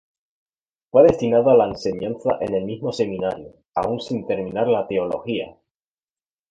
Fue destinado a la enseñanza en el mismo seminario, aun sin terminar la Teología.